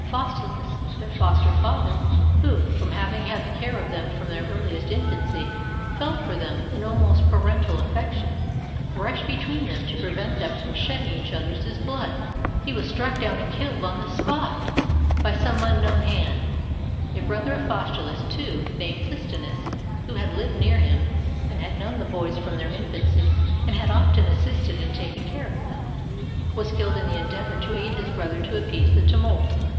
Faustu lus, their foster father, who, from having had the care of them from their earliest infancy, felt for them an almost parental affection, rushed between them to pre vent them from shedding each other's blood. He was struck down and killed on the spot, by some unknown hand. A brother of Faustulus, too, named PHstinus, who had lived near to him, and had known the boys from their infancy, and had often assisted in taking care of them, was killed in the endeavor to aid his brother to appease the tumult.